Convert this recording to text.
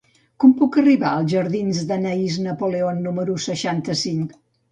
Com puc arribar als jardins d'Anaïs Napoleon número seixanta-cinc?